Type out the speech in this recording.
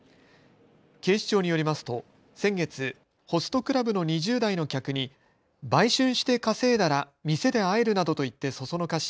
警視庁によりますと先月、ホストクラブの２０代の客に売春して稼いだら店で会えるなどと言って唆し